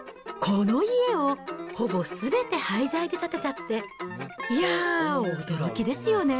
この家をすべて廃材で建てたっていやー、驚きですよね。